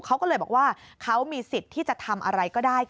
เขาก็เลยบอกว่าเขามีสิทธิ์ที่จะทำอะไรก็ได้